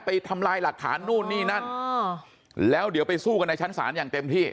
ทำลายหลักฐานนู่นนี่นั่นแล้วเดี๋ยวไปสู้กันในชั้นศาลอย่างเต็มที่